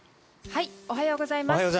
おはようございます。